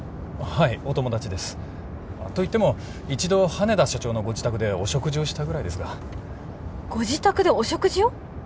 はいお友達ですと言っても一度羽田社長のご自宅でお食事をしたぐらいですがご自宅でお食事を？